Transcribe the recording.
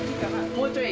もうちょい。